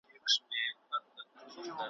ویلای سم چي، د دې نویو شعرونو او ایجاداتو `